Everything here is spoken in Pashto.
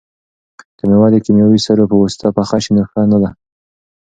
که مېوه د کیمیاوي سرو په واسطه پخه شي نو ښه نه ده.